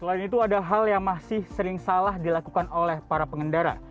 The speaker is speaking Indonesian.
selain itu ada hal yang masih sering salah dilakukan oleh para pengendara